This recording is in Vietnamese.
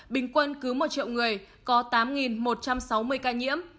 bình quân cứ một triệu người có tám một trăm sáu mươi ca nhiễm